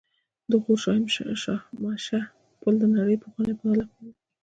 د غور شاهمشه پل د نړۍ پخوانی معلق پل دی